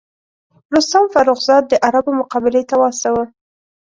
رستم فرُخ زاد د عربو مقابلې ته واستاوه.